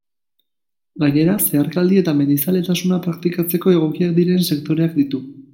Gainera, zeharkaldi eta mendizaletasuna praktikatzeko egokiak diren sektoreak ditu.